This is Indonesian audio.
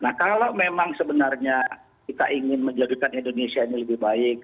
nah kalau memang sebenarnya kita ingin menjadikan indonesia ini lebih baik